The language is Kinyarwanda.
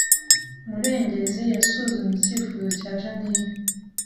Murengezi yasuzumye icyifuzo cya Jeaninne